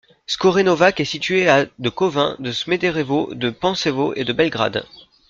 Skorenovac est situé à de Kovin, de Smederevo, de Pančevo et de Belgrade.